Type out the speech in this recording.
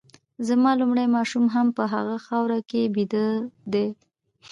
زما لومړی ماشوم هم په هغه خاوره کي بیده دی